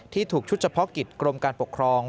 ถูกชุดเฉพาะกิจกรมการปกครอง